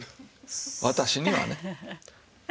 私にはね。